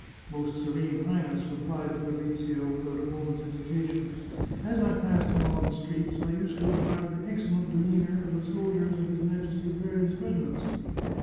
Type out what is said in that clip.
"" Most Serene Highness," replied Fabrizio, without a moment's hesitation, " as I passed along the streets I used to admire the excellent demeanour of the soldiers of his Majesty's various regiments.